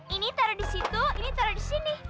ini taruh di situ ini taruh di sini